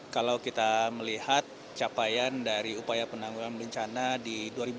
kalau kita melihat capaian dari upaya penanggulan bencana di dua ribu dua puluh